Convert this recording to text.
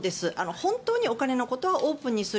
本当にお金のことをオープンにする。